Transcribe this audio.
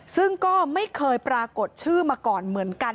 ซึ่งก็ไม่เคยปรากฏชื่อมาก่อนเหมือนกัน